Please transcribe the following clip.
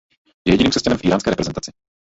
Je jediným křesťanem v íránské reprezentaci.